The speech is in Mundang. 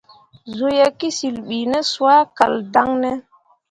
Zuu ye kǝsyil bi ne soa kal daŋ ne ?